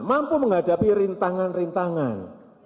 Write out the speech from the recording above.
mampu menghadapi rintangan rintangan